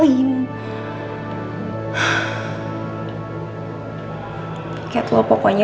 puket lu pokoknya udah gak boleh berharap sama mas ren nih